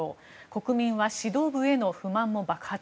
国民は指導部への不満も爆発。